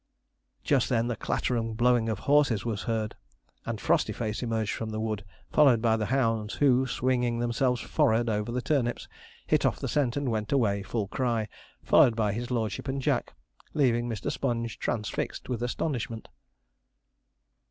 Just then the clatter and blowing of horses was heard, and Frostyface emerged from the wood followed by the hounds, who, swinging themselves 'forrard' over the turnips, hit off the scent and went away full cry, followed by his lordship and Jack, leaving Mr. Sponge transfixed with astonishment.